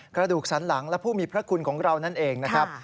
กระดูกสันหลังและผู้มีพระคุณของเรานั่นเองนะครับ